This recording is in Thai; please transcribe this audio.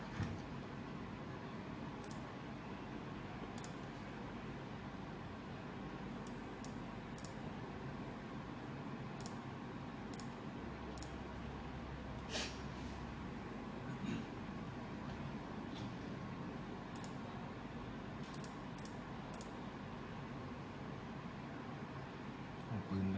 โปรดติดตามตอนต่อไป